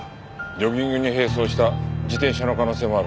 ジョギングに並走した自転車の可能性もあるな。